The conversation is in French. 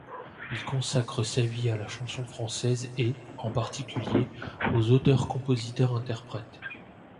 Il consacre sa vie à la chanson française et, en particulier, aux auteurs–compositeurs-interprètes.